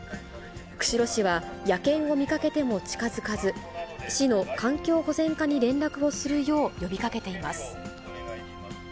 釧路市は、野犬を見かけても近づかず、市の環境保全課に連絡をするよう呼びかけています。